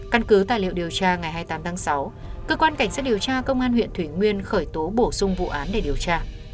căn cứ tài liệu điều tra ngày hai mươi tám tháng sáu cơ quan cảnh sát điều tra công an huyện thủy nguyên khởi tố bổ sung vụ án để điều tra